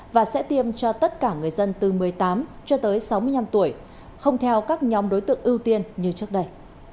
và sẽ tiêm cho tất cả người dân từ một mươi tám cho tới sáu mươi năm tuổi không theo các nhóm đối tượng ưu tiên như trước đây